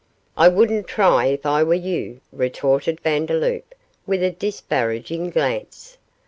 'I wouldn't try if I were you,' retorted Vandeloup, with a disparaging glance.